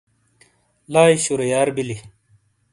لائی شُرییار بِیلی۔